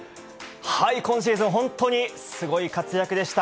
今シーズン、本当にすごい活躍でした。